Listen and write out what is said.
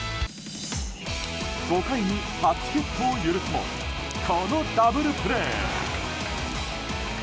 ５回に初ヒットを許すもこのダブルプレー！